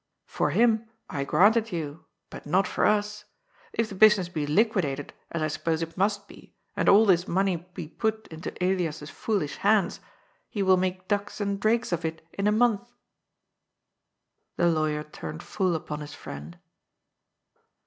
"For him, I grant it you. But not for us. If the business be liquidated, as I suppose it must be, and all this money be put into Elias's foolish hands, he will make ducks and drakes of it in a month." The lawyer turned full upon his friend.